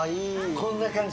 こんな感じ。